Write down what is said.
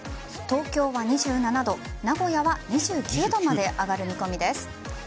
東京は２７度名古屋は２９度まで上がる見込みです。